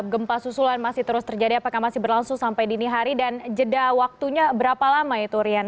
gempa susulan masih terus terjadi apakah masih berlangsung sampai dini hari dan jeda waktunya berapa lama itu rian